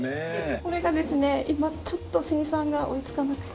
これがですね今ちょっと生産が追いつかなくて。